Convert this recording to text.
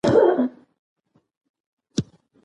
یوازې څه شی پکار دی؟